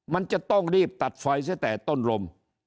มันจะต้องรีบตัดไฟซะแต่ต้นลม